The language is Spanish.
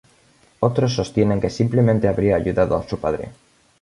Otros sostienen que simplemente habría ayudado a su padre.